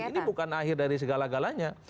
ini bukan akhir dari segala galanya